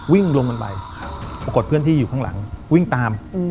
วิ่งลงกันไปปรากฏเพื่อนที่อยู่ข้างหลังวิ่งตาม